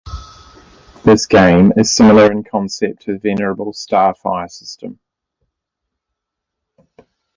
This game is similar in concept to the venerable "Starfire" system.